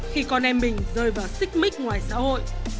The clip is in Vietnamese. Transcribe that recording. khi con em mình rơi vào xích mích ngoài xã hội